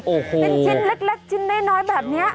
โอ้โหเป็นชิ้นเล็กชิ้นน้อยแบบนี้